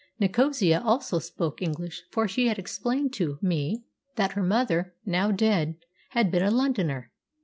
Nicosia also spoke English, for she had explained to me that her mother, now dead, had been a Londoner.